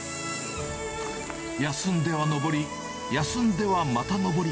休んでは登り、休んではまた登る。